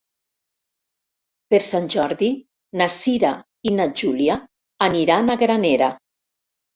Per Sant Jordi na Cira i na Júlia aniran a Granera.